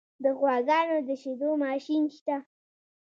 د غواګانو د شیدو ماشین شته؟